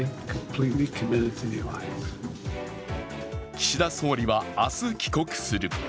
岸田総理は明日、帰国する。